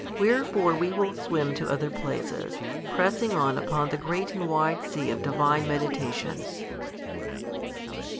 Wherefore we will swim to other places, pressing on upon the great and wide sea of Divine meditations.